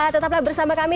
tetaplah bersama kami